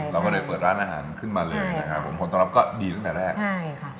เราก็เลยเปิดร้านอาหารขึ้นมาเลยผลต้องรับก็ดีตั้งแต่แรก